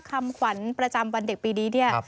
คำขวัญประจำวันเด็กปีดี